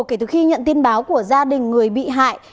kể từ khi nhận tin báo của gia đình người bị hại